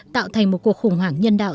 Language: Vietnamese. tạo thành một cuộc khủng hoảng nhân đạo